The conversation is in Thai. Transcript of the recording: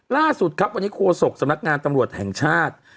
ล่าสุดครับวันนี้โฆษกสำนักงานตำรวจแห่งชาติ